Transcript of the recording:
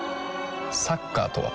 サッカーとは？